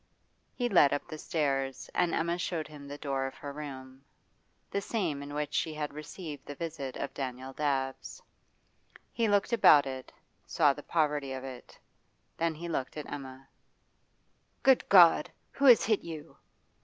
He led up the stairs, and Emma showed him the door of her room the same in which she had received the visit of Daniel Dabbs. He looked about it, saw the poverty of it. Then he looked at Emma. 'Good God! Who has hit you?